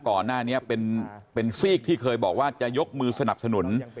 ก่อนหน้านี้เป็นซีกที่เคยบอกว่าจะยกมือสนับสนุน